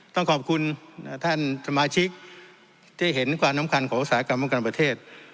ต้องขอบคุณท่านสมาชิกที่เห็นความสำคัญของอุตสาหกรรมป้องกันประเทศ